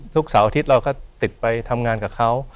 เสาร์อาทิตย์เราก็ติดไปทำงานกับเขา